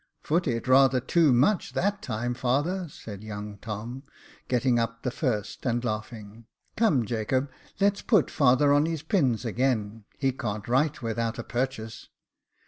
" Foot it rather too much that time, father," said young Tom, getting up the first, and laughing. " Come, Jacob, let's put father on his pins again ; he can't right without a purchase."